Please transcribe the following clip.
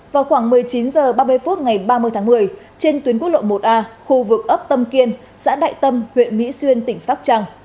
vào khoảng một mươi chín h ba mươi phút ngày ba mươi tháng một mươi trên tuyến quốc lộ một a khu vực ấp tâm kiên xã đại tâm huyện mỹ xuyên tỉnh sóc trăng